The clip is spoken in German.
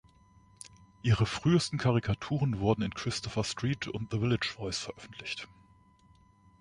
Ihre frühesten Karikaturen wurden in "Christopher Street" und "The Village Voice" veröffentlicht.